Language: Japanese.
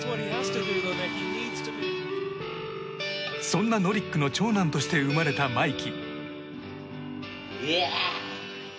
そんなノリックの長男として生まれた真生騎。